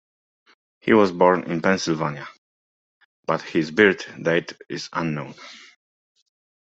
He was born in Pennsylvania, but his birth date is unknown.